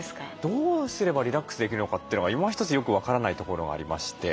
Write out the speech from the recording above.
どうすればリラックスできるのかってのがいまひとつよく分からないところがありまして。